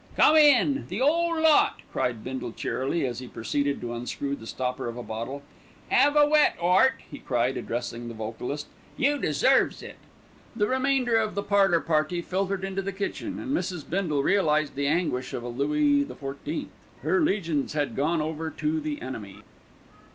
"Come in, the 'ole lot," cried Bindle cheerily, as he proceeded to unscrew the stopper of a bottle. "'Ave a wet, Art," he cried, addressing the vocalist. "You deserves it." The remainder of the parlour party filtered into the kitchen, and Mrs. Bindle realised the anguish of a Louis XVIII. Her legions had gone over to the enemy.